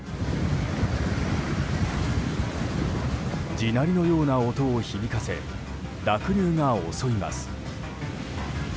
地鳴りのような音を響かせ濁流が襲います。